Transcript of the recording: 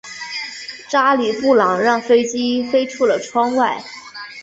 查理布朗让飞机飞出了窗外。